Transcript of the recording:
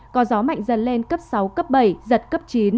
có gió mạnh dần lên cấp sáu cấp bảy giật cấp chín